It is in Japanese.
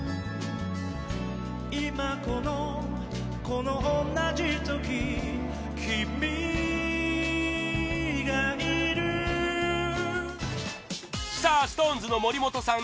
「今このこの同じ時君がいる」さあＳｉｘＴＯＮＥＳの森本さん